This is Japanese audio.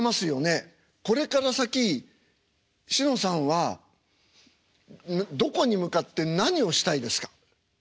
これから先しのさんはどこに向かって何をしたいですか？